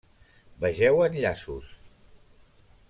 Vegeu enllaços.